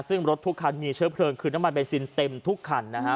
ซึ่งรถทุกคันมีเชื้อเพลิงคือน้ำมันเบนซินเต็มทุกคันนะฮะ